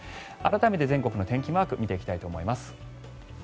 改めて全国の天気マーク見ていきたいと思います。